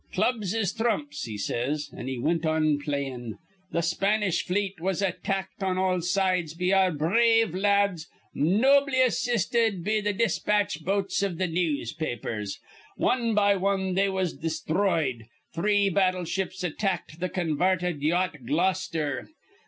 Clubs is thrumps,' he says, and he wint on playin'. Th' Spanish fleet was attackted on all sides be our br rave la ads, nobly assisted be th' dispatch boats iv the newspapers. Wan by wan they was desthroyed. Three battle ships attackted th' convarted yacht Gloucester.